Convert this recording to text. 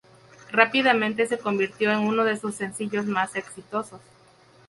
Rápidamente se convirtió en uno de sus sencillos más exitosos.